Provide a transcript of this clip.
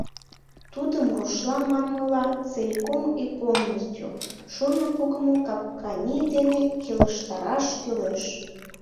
Тудым, рушла манмыла, «целиком и полностью» шурно погымо кампаний дене келыштараш кӱлеш.